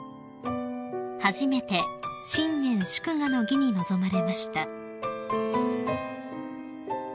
初めて新年祝賀の儀に臨まれました］